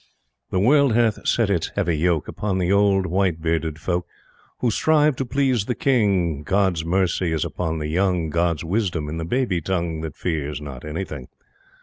The World hath set its heavy yoke Upon the old white bearded folk Who strive to please the King. God's mercy is upon the young, God's wisdom in the baby tongue That fears not anything.